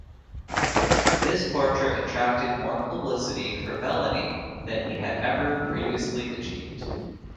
This portrait attracted more publicity for Bellany than he had ever previously achieved.